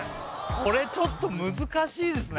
これちょっと難しいですね